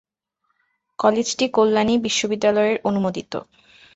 কলেজটি কল্যাণী বিশ্ববিদ্যালয়ের অনুমোদিত।